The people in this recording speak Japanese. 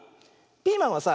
ピーマンはさ